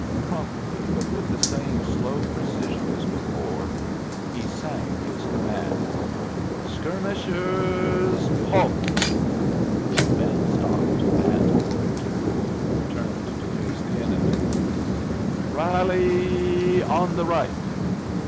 Promptly, but with the same slow precision as before, he sang his commands: "Skirm ish ers, halt!" The men stopped and according to rule turned to face the enemy. "Ral ly on the right!"